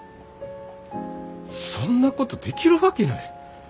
そんなことできるわけない。